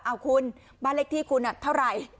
เอาคุณบ้านเลขที่คุณเท่าไหร่